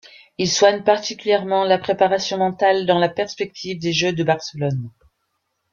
Il soigne particulièrement la préparation mentale dans la perspective des Jeux de Barcelone.